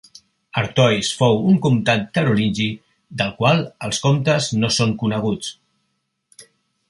Artois fou un comtat carolingi, del qual els comtes no són coneguts.